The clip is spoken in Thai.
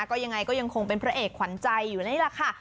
ก็ยังไงก็ยังคงเป็นพระเอกขวัญใจอยู่นี่แหละค่ะ